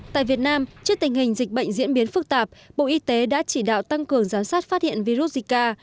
tại việt nam trước tình hình dịch bệnh diễn biến phức tạp bộ y tế đã chỉ đạo tăng cường giám sát phát hiện virus zika